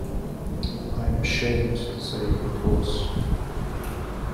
I'm ashamed to say it was.